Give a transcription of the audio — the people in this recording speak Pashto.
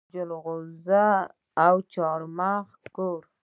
د جلغوزي او چارمغز کور.